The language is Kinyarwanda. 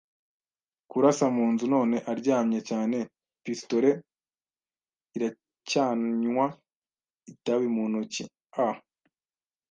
kurasa mu nzu none aryamye cyane, pistolet iracyanywa itabi mu ntoki. A.